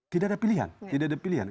tidak ada pilihan tidak ada pilihan